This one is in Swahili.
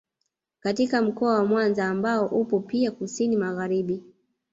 Katika mkoa wa Mwanza ambao upo pia kusini magharibi